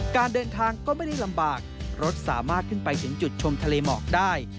การเดินทางก็ไม่ได้ลำบากรถสามารถขึ้นไปถึงจุดชมทะเลหมอกได้